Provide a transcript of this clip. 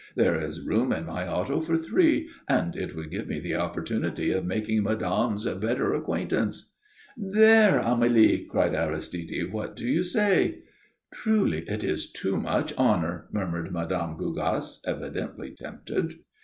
There is room in my auto for three, and it would give me the opportunity of making madame's better acquaintance." "There, Amélie!" cried Aristide. "What do you say?" "Truly, it is too much honour," murmured Mme. Gougasse, evidently tempted.